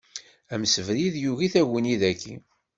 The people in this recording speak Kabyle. Amsebrid yugi taguni dagi.